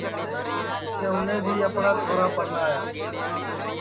پیچھیں اُنے بھی اپٹؔا چھورا پرنایا